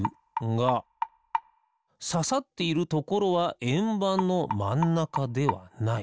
がささっているところはえんばんのまんなかではない。